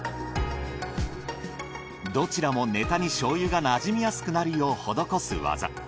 どちらもネタに醤油がなじみやすくなるよう施す技。